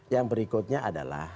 yang berikutnya adalah